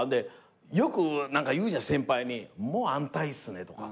よく言うじゃん先輩に「もう安泰っすね」とか。